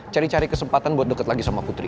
cari cari kesempatan buat deket lagi sama putri